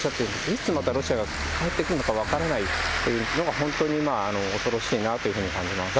いつまたロシアが帰ってくるのか分からないというのが、本当に恐ろしいなというふうに感じます。